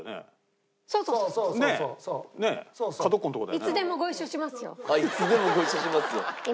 「いつでもご一緒しますよ」。